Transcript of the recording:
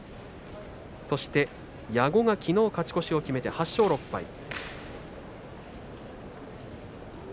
そして矢後は、きのう勝ち越しを決めて８勝６敗。